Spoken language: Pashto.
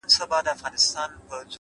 هوډ د وېرې زنځیرونه کمزوري کوي’